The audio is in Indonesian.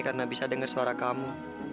karena bisa denger suara kamu